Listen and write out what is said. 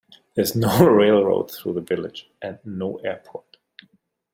There is no railroad through the village, and no airport.